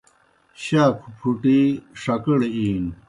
شاکھوْ پُھٹی ݜکڑ اِینوْ